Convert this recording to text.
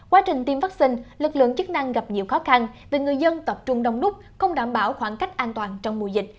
quá trình tiêm vaccine lực lượng chức năng gặp nhiều khó khăn vì người dân tập trung đông đúc không đảm bảo khoảng cách an toàn trong mùa dịch